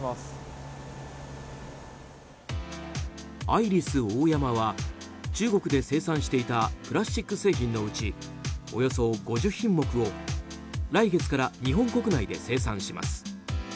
アイリスオーヤマは中国で生産していたプラスチック製品のうちおよそ５０品目を来月から日本国内で生産します。